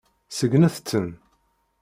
Segnet-ten.